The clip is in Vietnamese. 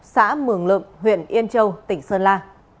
xã mường lợm huyện yên châu tỉnh sơn la